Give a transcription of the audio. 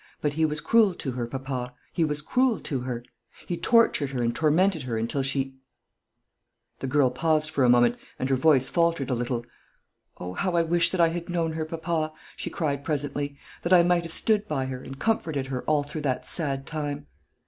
But he was cruel to her, papa; he was cruel to her. He tortured her and tormented her until she " The girl paused for a moment, and her voice faltered a little. "Oh, how I wish that I had known her, papa," she cried presently, "that I might have stood by her, and comforted her, all through that sad time!"